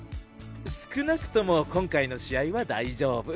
少なくとも今回の試合は大丈夫。